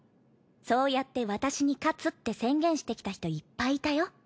そうやって私に勝つって宣言してきた人いっぱいいたよ。